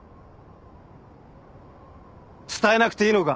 伝えなくていいのか？